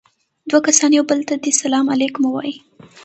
دوه کسان يو بل ته دې سلام عليکم ووايي.